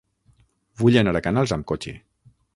Vull anar a Canals amb cotxe.